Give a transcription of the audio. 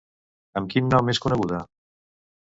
Amb quin nom és coneguda?